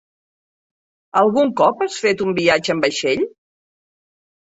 Algun cop has fet un viatge en vaixell?